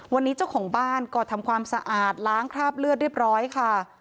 วันนี้เจ้าของบ้านก็ทำความสะอาดล้างคราบเลือดเรียบร้อยค่ะ